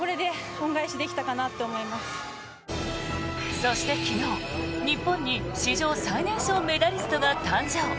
そして昨日、日本に史上最年少メダリストが誕生。